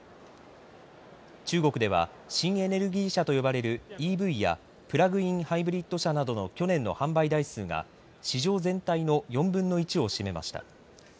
中国では新エネルギー車と呼ばれるＥＶやプラグインハイブリッド車などの去年の販売台数が市場全体の４分の１を占めました。